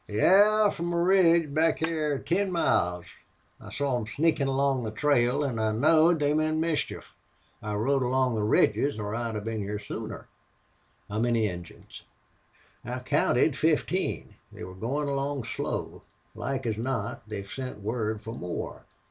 "Yes, from a ridge back hyar ten miles. I saw them sneakin' along the trail an' I knowed they meant mischief. I rode along the ridges or I'd been hyar sooner." "How many Injuns?" "I counted fifteen. They were goin' along slow. Like as not they've sent word fer more.